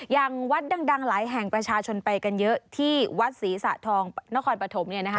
อย่างวัดดังหลายแห่งประชาชนไปกันเยอะที่วัดศรีสะทองนครปฐมเนี่ยนะคะ